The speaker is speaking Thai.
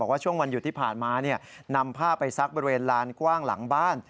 ว่าช่วงวันหยุดที่ผ่านมานำผ้าไปซักบริเวณลานกว้างหลังบ้าน